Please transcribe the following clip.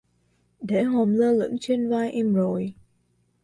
Để hồn lơ lửng trên vai em rồi